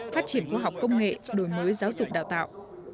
phát triển khoa học công nghệ đổi mới giáo dục đào tạo